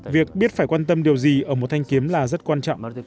việc biết phải quan tâm điều gì ở một thanh kiếm là rất quan trọng